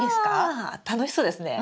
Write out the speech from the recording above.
あ楽しそうですね！